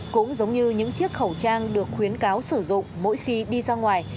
cũng giống như những chiếc khẩu trang được khuyến cáo sử dụng mỗi khi đi ra ngoài